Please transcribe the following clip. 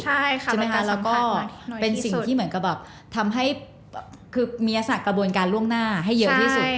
ใช่ค่ะแล้วก็เป็นสิ่งที่เหมือนกับแบบทำให้เมียสัตว์กระบวนการล่วงหน้าให้เยอะที่สุดใช่ไหมคะ